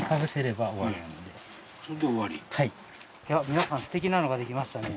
皆さんすてきなのができましたね。